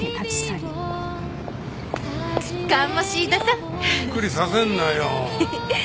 びっくりさせんなよ。